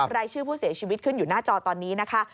รายชื่อผู้เสียชีวิตขึ้นอยู่หน้าจอตอนนี้นะคะ